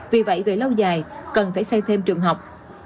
vì vậy về lâu dài cần phải xây thêm trường học